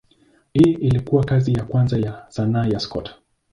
Hii ilikuwa kazi ya kwanza ya sanaa ya Scott.